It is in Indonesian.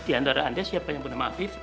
di antara anda siapa yang bernama afif